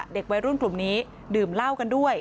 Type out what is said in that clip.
เด็กวัยรุ่นกลุ่มนี้ดื่มเหล้ากันด้วย